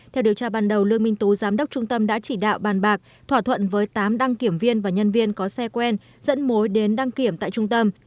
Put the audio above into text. theo điều tra ban đầu lương minh tú giám đốc trung tâm đã chỉ đạo bàn bạc thỏa thuận với tám đăng kiểm viên và nhân viên có xe quen dẫn mối đến đăng kiểm tại trung tâm